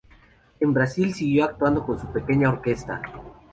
En Brasil, siguió actuando con su pequeña orquesta.